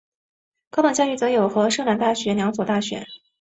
高等教育则有和摄南大学两所大学。